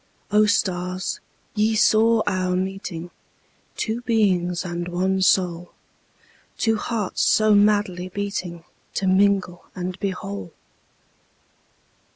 O stars, ye saw our meeting, Two beings and one soul, Two hearts so madly beating To mingle and be whole!